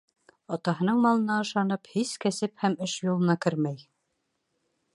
Атаһының малына ышанып, һис кәсеп һәм эш юлына кермәй.